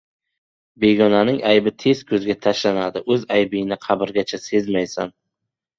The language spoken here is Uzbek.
• Begonaning aybi tez ko‘zga tashlanadi, o‘z aybingni qabrgacha sezmaysan.